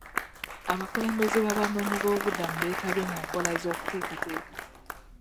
Abakulembeze b'abanoonyi b'obubuddamu beetabye mu nkola z'okuteekateka.